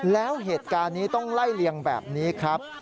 แล้วเหตุการณ์นี้ต้องไล่เลียงแบบนี้ครับ